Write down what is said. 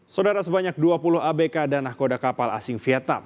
saudara sebanyak dua puluh abk dan nahkoda kapal asing vietnam